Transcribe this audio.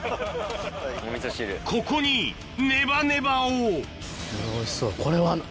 ここにネバネバをおいしそう。